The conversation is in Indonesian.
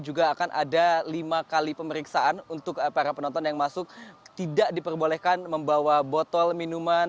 juga akan ada lima kali pemeriksaan untuk para penonton yang masuk tidak diperbolehkan membawa botol minuman